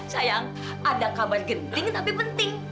sayang ada kabar genting tapi penting